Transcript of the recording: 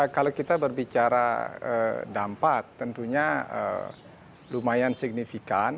kalau kita berbicara dampak tentunya lumayan signifikan